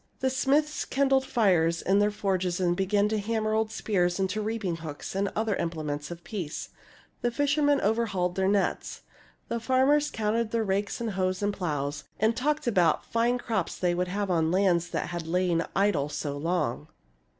The smiths kindled fires in their forges, and began to hammer old spears into reaping hooks and other implements of peace. The fishermen overha, uled 142 THIRTY MORE FAMOUS STORIES their nets. The farmers counted their rakes and hoes and plows, and talked about the fine crops they would have on lands that had lain idle so long.